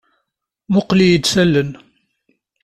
Mmuqqel-iyi-d s allen.